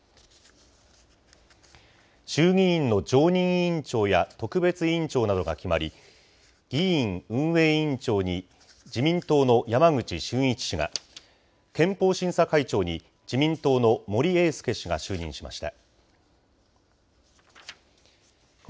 衆議院の常任委員長や特別委員長などが決まり、議院運営委員長に自民党の山口俊一氏が、憲法審査会長に自民党の森英介氏が就任しました。